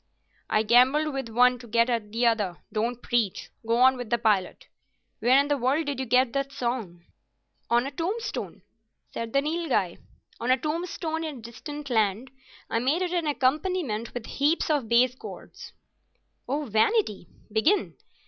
"I gambled with one to get at the other. Don't preach. Go on with the "Pilot." Where in the world did you get that song?" "On a tombstone," said the Nilghai. "On a tombstone in a distant land. I made it an accompaniment with heaps of base chords." "Oh, Vanity! Begin."